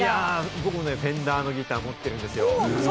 僕もＦｅｎｄｅｒのギター持ってるんですよ。